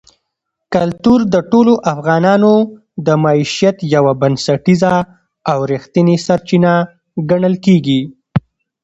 کلتور د ټولو افغانانو د معیشت یوه بنسټیزه او رښتینې سرچینه ګڼل کېږي.